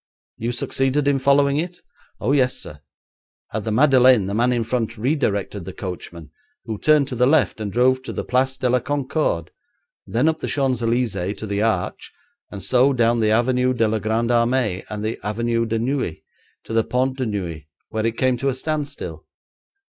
'You succeeded in following it?' 'Oh, yes, sir. At the Madeleine the man in front redirected the coachman, who turned to the left and drove to the Place de la Concorde, then up the Champs Elysées to the Arch and so down the Avenue de la Grande Armée, and the Avenue de Neuilly, to the Pont de Neuilly, where it came to a standstill.